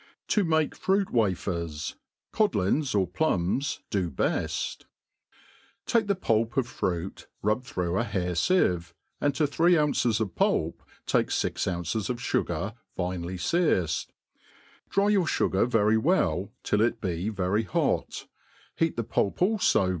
# To make Fruit Wafer $; Codlins or Plums do heft* TAKE the pulp of fruit, rubbed through a hair deve, and to three ounces of pulp take fix ounces of fugar, finely fea^ced ; dry your fugar very well, till it be very hot, heat the pulp alfo.